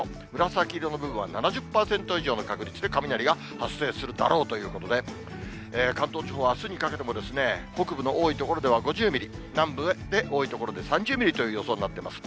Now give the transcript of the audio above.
紫色の部分は７０％以上の確率で雷が発生するだろうということで、関東地方はあすにかけても、北部の多い所では５０ミリ、南部で多い所で３０ミリという予想になっています。